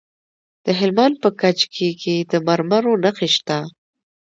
د هلمند په کجکي کې د مرمرو نښې شته.